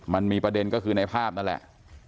มันมีประเด็นก็คือในภาพนั่นแหละ